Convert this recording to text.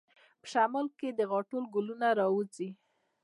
په شمال کې د غاټول ګلونه راوځي.